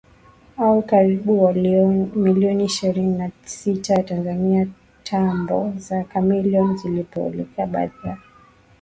au karibu milioni ishirini na sita za Tanzania Tambo za Chameleone zilipelekea baadhi ya